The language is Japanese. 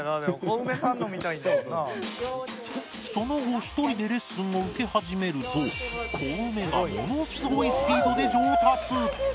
その後１人でレッスンを受け始めるとコウメがものすごいスピードで上達！